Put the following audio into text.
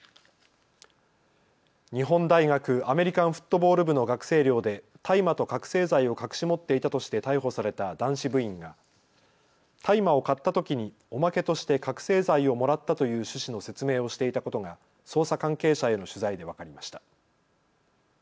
日本大学アメリカンフットボール部の学生寮で大麻と覚醒剤を隠し持っていたとして逮捕された男子部員が大麻を買ったときにおまけとして覚醒剤をもらったという趣旨の説明をしていたことが捜査関係者への取材で分かりました。